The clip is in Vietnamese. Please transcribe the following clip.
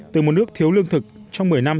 từ một nước thiếu lương thực trong một mươi năm